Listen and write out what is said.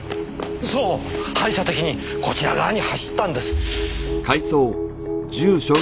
そう反射的にこちら側に走ったんです。